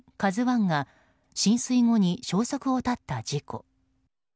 「ＫＡＺＵ１」が浸水後に消息を絶った事故。